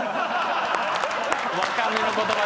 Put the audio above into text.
若めの言葉でね。